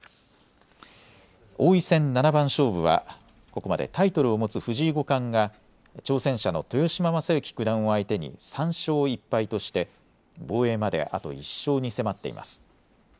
王位戦七番勝負はここまでタイトルを持つ藤井五冠が挑戦者の豊島将之九段を相手に３勝１敗として防衛まであと１勝に迫っています。